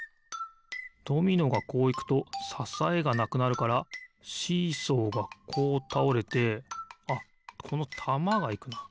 ドミノがこういくとささえがなくなるからシーソーがこうたおれてあっこのたまがいくな。